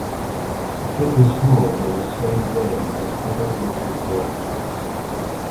It was held on the same day as other local elections.